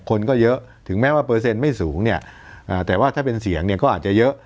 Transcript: คนก็เยอะถึงแม้ว่าเปอร์เซ็นต์ไม่สูงเนี่ยแต่ว่าถ้าเป็นเสียงเนี่ยก็อาจจะเยอะ